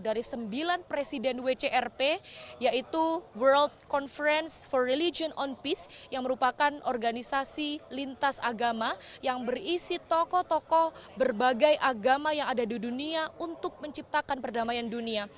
dari sembilan presiden wcrp yaitu world conference for religion on peace yang merupakan organisasi lintas agama yang berisi tokoh tokoh berbagai agama yang ada di dunia untuk menciptakan perdamaian dunia